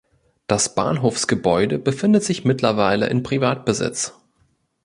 Das Bahnhofsgebäude befindet sich mittlerweile in Privatbesitz.